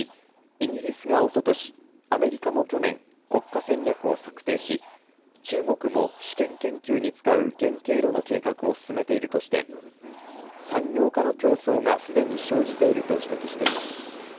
イギリスがおととしアメリカも去年国家戦略を策定し中国も試験研究に使う原型炉の計画を進めているとして産業化の競争がすでに生じていると指摘しています。